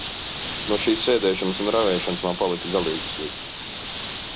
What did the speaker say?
No šīs sēdēšanas un ravēšanas man palika galīgi slikti.